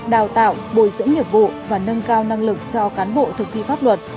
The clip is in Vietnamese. đào tạo bồi dưỡng nhiệm vụ và nâng cao năng lực cho cán bộ thử thi pháp luật